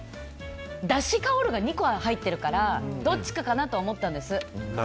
だし香るが２個入ってるからどっちかかなとは思ったんです。